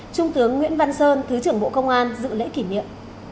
trung tướng nguyễn văn sơn thứ trưởng bộ công an dự lễ kỷ niệm